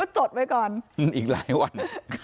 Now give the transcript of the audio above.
จดไว้ก่อนอีกหลายวัน